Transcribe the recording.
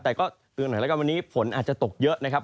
แต่ก็เตือนหน่อยแล้วกันวันนี้ฝนอาจจะตกเยอะนะครับ